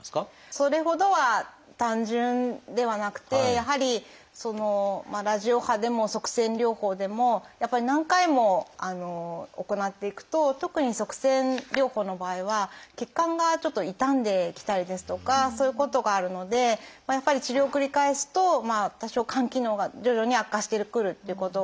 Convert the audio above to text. それほどは単純ではなくてやはりそのラジオ波でも塞栓療法でもやっぱり何回も行っていくと特に塞栓療法の場合は血管がちょっと傷んできたりですとかそういうことがあるのでやっぱり治療を繰り返すと多少肝機能が徐々に悪化してくるっていうことがあります。